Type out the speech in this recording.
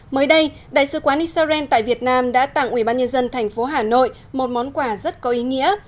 mới đây đại sứ quán israel tại việt nam đã tặng ubnd tp hà nội một món quà rất có ý nghĩa